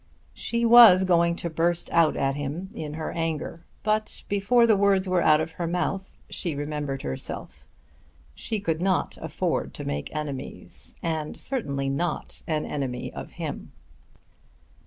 She was going to burst out at him in her anger, but before the words were out of her mouth she remembered herself. She could not afford to make enemies and certainly not an enemy of him.